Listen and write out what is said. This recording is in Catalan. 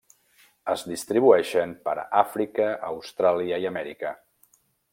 Es distribueixen per Àfrica, Austràlia i Amèrica.